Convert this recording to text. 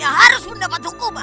ya kelompok tersebut kollegen